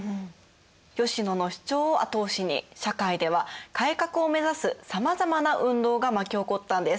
吉野の主張を後押しに社会では改革を目指すさまざまな運動が巻き起こったんです。